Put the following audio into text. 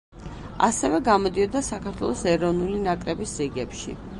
ასევე გამოდიოდა საქართველოს ეროვნული ნაკრების რიგებში.